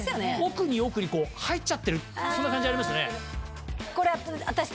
奥に奥に入っちゃってるそんな感じありますよね。